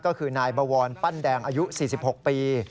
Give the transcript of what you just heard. ก็คือนายบวรปั้นแดงอายุ๔๖ปี